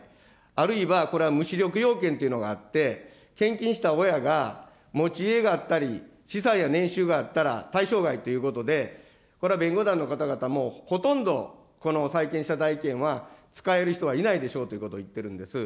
あるいはこれは無資力要件というのがあって、献金した親が持ち家があったり資産や年収があったら対象外ということで、これは弁護団の方々も、ほとんど債権者代位権は使える人がいないでしょうということを言ってるんです。